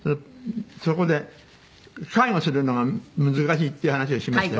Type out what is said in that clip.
そこで介護するのが難しいっていう話をしましてね。